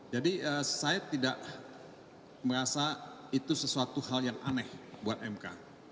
jadi saya tidak merasa itu sesuatu hal yang aneh buat mk